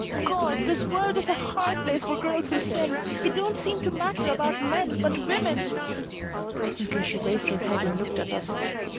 "God this world is a hard place for girls who sin! It don't seem to matter about men, but women " Presently she raised her head and looked at us.